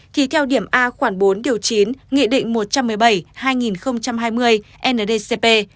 thì theo điểm a khoảng bốn điều chín nghị định một trăm một mươi bảy hai nghìn hai mươi ndcp